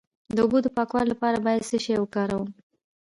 د اوبو د پاکوالي لپاره باید څه شی وکاروم؟